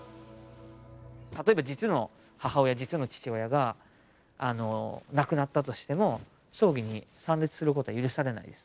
例えば実の母親実の父親が亡くなったとしても葬儀に参列することは許されないです。